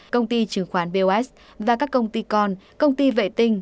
công ty chứng khoán bos và các công ty con công ty vệ tinh